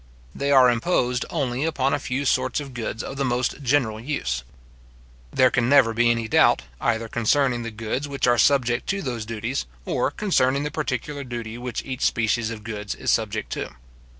They are imposed only upon a few sorts of goods of the most general use. There can never be any doubt, either concerning the goods which are subject to those duties, or concerning the particular duty which each species of goods is subject to.